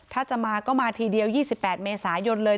ถ้าจะมาก็มาทีเดียว๒๘เมษายนเลย